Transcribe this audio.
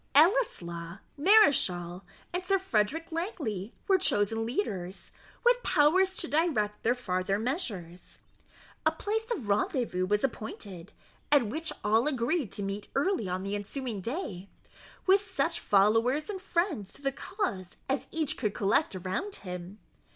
Ellieslaw, Mareschal, and Sir Frederick Langley were chosen leaders, with powers to direct their farther measures. A place of rendezvous was appointed, at which all agreed to meet early on the ensuing day, with such followers and friends to the cause as each could collect around him.